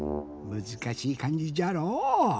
むずかしい「かんじ」じゃろう。